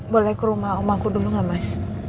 boleh ke rumah om aku dulu gak mas